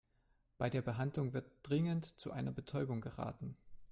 Bei der Behandlung wird dringend zu einer Betäubung geraten.